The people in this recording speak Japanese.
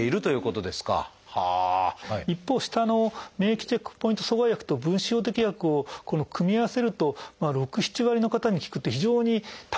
一方下の免疫チェックポイント阻害薬と分子標的薬を組み合わせると６７割の方に効くっていう非常にたくさんの方に効きます。